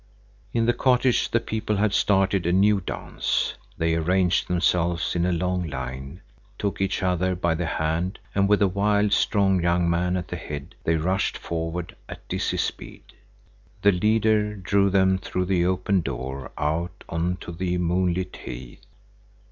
In the cottage the people had started a new dance. They arranged themselves in a long line, took each other by the hand, and with a wild, strong young man at the head, they rushed forward at dizzy speed. The leader drew them through the open door out cm to the moonlit heath.